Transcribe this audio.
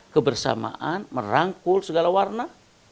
kebersamaan merangkul segala warna